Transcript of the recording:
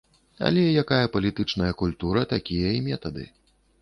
Але якая палітычная культура, такія і метады.